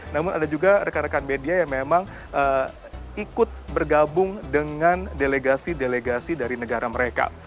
namun ada juga rekan rekan media yang memang ikut bergabung dengan delegasi delegasi dari negara mereka